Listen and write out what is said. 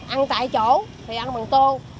ăn tại chỗ thì ăn bằng tô